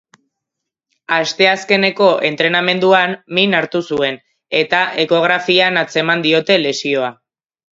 Asteazkeneko entrenamenduan min hartu zuen, eta ekografian atzeman diote lesioa.